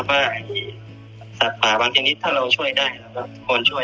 แต่ว่าสัตว์ป่าบางทีนี้ถ้าเราช่วยได้แล้วก็มันควรช่วย